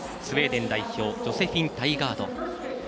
スウェーデン代表ジョセフィン・タイガード。